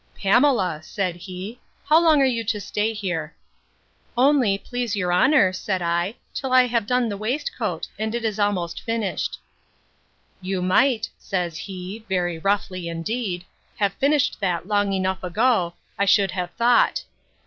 Pamela! said he, How long are you to stay here?—Only, please your honour, said I, till I have done the waistcoat; and it is almost finished.—You might, says he, (very roughly indeed,) have finished that long enough ago, I should have thought.